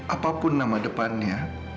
apapun nama depannya